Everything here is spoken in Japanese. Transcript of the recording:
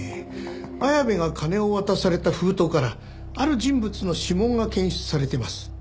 綾部が金を渡された封筒からある人物の指紋が検出されてます。